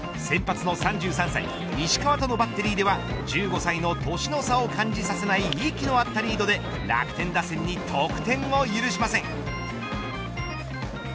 先発の３３歳石川とのバッテリーでは１５歳の年の差を感じさせない息の合ったリードで楽天打線に得点を許しません。